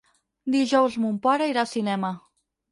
Dijous mon pare irà al cinema.